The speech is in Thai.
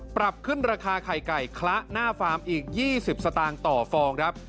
ปรับขึ้นราคาไข่ไก่คละหน้าฟาร์มอีก๒๐สตางค์ต่อฟองครับ